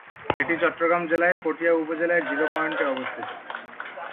এটি চট্টগ্রাম জেলার পটিয়া উপজেলার জিরো পয়েন্টে অবস্থিত।